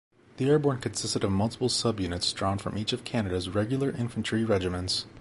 The Airborne consisted of multiple sub-units drawn from each of Canada's regular infantry regiments.